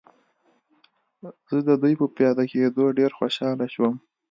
زه د دوی په پیاده کېدو ډېر خوشحاله شوم.